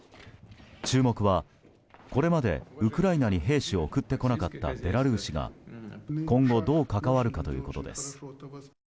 注目は、これまでウクライナに兵士を送ってこなかったベラルーシが今後どう関わるかということです。